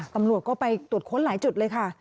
ตำรวจก็ไปตรวจค้นหลายจุดเลยค่ะ